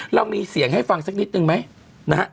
เรามีเสียงให้ฟังสักนิดนึงไหมนะฮะ